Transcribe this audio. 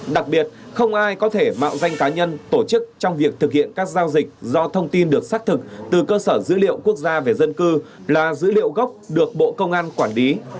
đặc biệt không ai có thể mạo danh cá nhân tổ chức trong việc thực hiện các giao dịch do thông tin được xác thực từ cơ sở dữ liệu quốc gia về dân cư là dữ liệu gốc được bộ công an quản lý